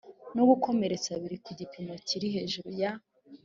no gukomeretsa biri ku gipimo kiri hejuru ya